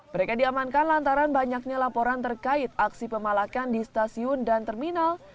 mereka diamankan lantaran banyaknya laporan terkait aksi pemalakan di stasiun dan terminal